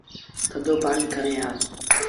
ٿڌو پآڻيٚ کڻي آ۔